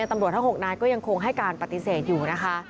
ตำรวจทั้ง๖นายก็ยังคงให้การปฏิเสธอยู่นะคะ